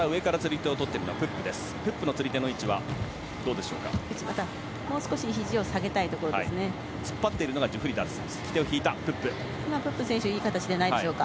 プップの釣り手の位置はどうでしょうか？